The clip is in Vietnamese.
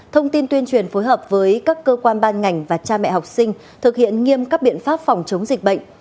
thông tin tuyên truyền phối hợp với các cơ quan ban ngành và cha mẹ học sinh thực hiện nghiêm các biện pháp phòng chống dịch bệnh